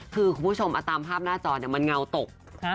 คือคุณผู้ชมตามภาพหน้าจอเนี่ยมันเงาตก